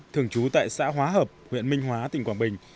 thường trú tại xã hóa hợp huyện minh hóa tỉnh quảng bình